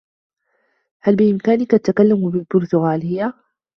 هل بإمكانك التّكلّم بالبرتغاليّة؟